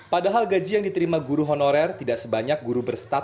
padahal gaji yang diterima guru honorer tidak sebanyak guru berstatus